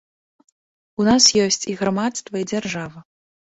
У нас ёсць і грамадства, і дзяржава.